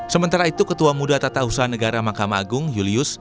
sementara itu ketua muda tata usaha negara mahkamah agung julius